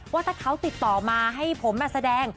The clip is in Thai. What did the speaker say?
ว่าถ้าเขาติดต่อมาให้ผมมาแสดง